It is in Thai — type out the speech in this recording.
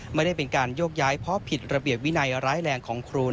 ไม่ได้เป็นการโยกย้ายเพราะผิดระเบียบวินัยร้ายแรงของครู